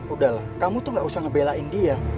udahlah kamu tuh gak usah ngebelain dia